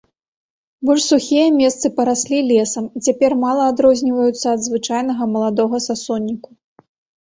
Больш сухія месцы параслі лесам і цяпер мала адрозніваюцца ад звычайнага маладога сасонніку.